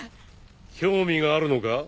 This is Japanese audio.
興味があるのか？